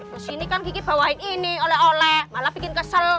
kesini kan kiki bawain ini oleh oleh malah bikin kesel